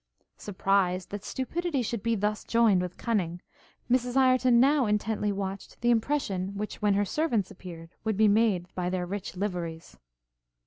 Surprised that stupidity should thus be joined with cunning, Mrs Ireton now intently watched the impression which, when her servants appeared, would be made by their rich liveries.